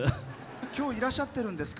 今日はいらっしゃってるんですか？